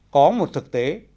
có một thực tế